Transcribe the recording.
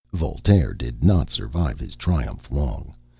Voltaire did not survive his triumph long.